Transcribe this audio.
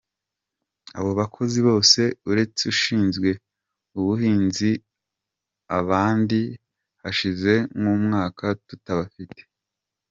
Abo bakozi bose uretse ushinzwe ubuhinzi abandi hashize nk’umwaka tutabafite.